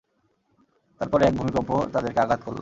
তারপর এক ভূমিকম্প তাদেরকে আঘাত করল।